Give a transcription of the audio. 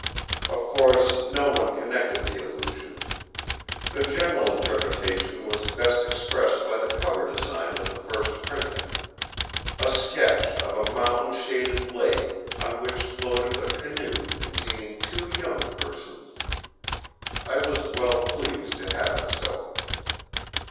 Of course no one connected the allusion. The general interpretation was best expressed by the cover design of the first printing: a sketch of a mountain shaded lake on which floated a canoe containing two young persons. I was well pleased to have it so.